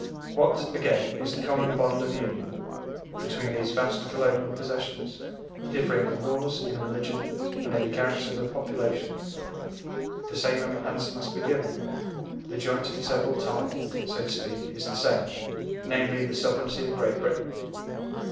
What, again, is the common bond of union between these vast colonial possessions, differing in laws, in religion, and in the character of the population? The same answer must be given: the joint and several tie, so to speak, is the same namely, the sovereignty of Great Britain.